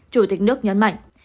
chủ tịch nước nhấn mạnh